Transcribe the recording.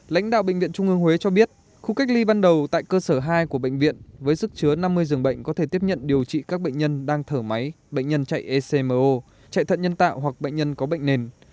lãnh đạo bệnh viện trung ương huế cho biết khu cách ly ban đầu tại cơ sở hai của bệnh viện với sức chứa năm mươi giường bệnh có thể tiếp nhận điều trị các bệnh nhân đang thở máy bệnh nhân chạy ecmo chạy thận nhân tạo hoặc bệnh nhân có bệnh nền